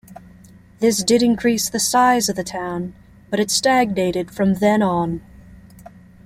This did increase the size of the town, but it stagnated from then on.